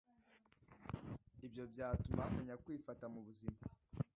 Ibyo byatuma bamenya kwifata mubuzima